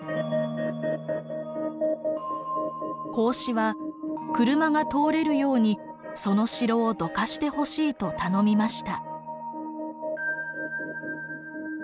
孔子は車が通れるようにその城をどかしてほしいと頼みました。